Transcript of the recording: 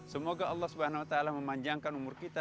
semoga allah swt memanjangkan umur kita